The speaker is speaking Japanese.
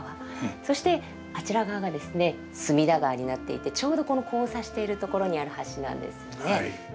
そしてあちら側がですね隅田川になっていてちょうどこの交差しているところにある橋なんですね。